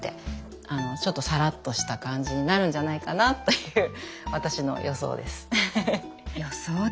ちょっとサラッとした感じになるんじゃないかなという予想ですか。